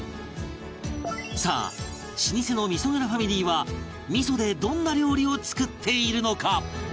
さあ老舗の味噌蔵ファミリーは味噌でどんな料理を作っているのか？